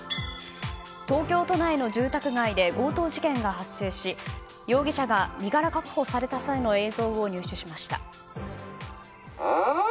東京都内の住宅街で強盗事件が発生し容疑者が身柄確保された際の映像を入手しました。